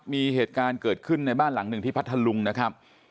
มีเหตุการณ์เกิดขึ้นในบ้านหลังหนึ่งที่พัทธลุงนะครับ